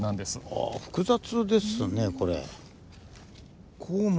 ああ複雑ですねこれ。